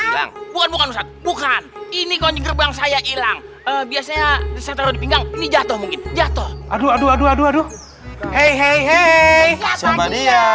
ini kalau saya hilang biasanya jatuh jatuh aduh aduh aduh aduh aduh hei hei hei sama dia